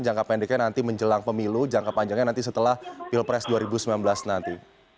jangka pendeknya nanti menjelang pemilu jangka panjangnya nanti setelah pilpres dua ribu sembilan belas nanti